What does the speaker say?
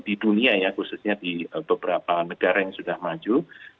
di dunia ya khususnya di beberapa negara yang sudah maju